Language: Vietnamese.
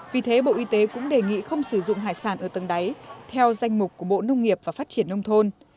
vì thế bộ y tế cũng đề nghị không sử dụng hải sản ở tầng đáy theo danh mục của bộ nông nghiệp và phát triển nông thôn